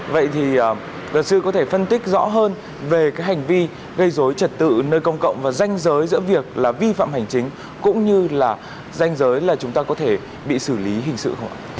vậy thì luật sư có thể phân tích rõ hơn về cái hành vi gây dối trật tự nơi công cộng và danh giới giữa việc là vi phạm hành chính cũng như là danh giới là chúng ta có thể bị xử lý hình sự không ạ